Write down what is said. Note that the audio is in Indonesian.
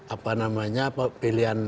apa namanya pemilihan